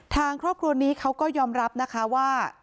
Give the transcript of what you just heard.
ทางครอบครัวนี้เขาก็ยอมรับนะคะว่า